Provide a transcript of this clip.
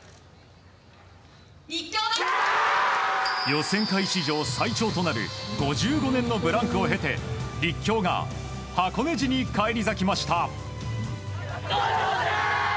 予選会史上最長となる５５年のブランクを経て立教が箱根路に返り咲きました。